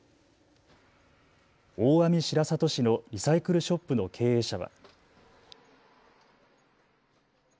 大網白里市のリサイクルショップの経営者は。